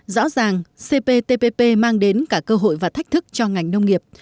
rõ ràng cptpp mang đến cả cơ hội và thách thức cho ngành nông nghiệp